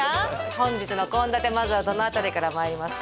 本日の献立まずはどの辺りからまいりますか？